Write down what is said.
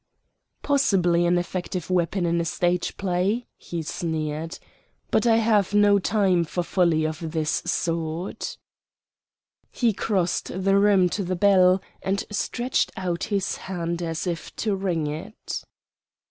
"Possibly an effective weapon in a stage play," he sneered. "But I have no time for folly of this sort." He crossed the room to the bell, and stretched out his hand as if to ring it.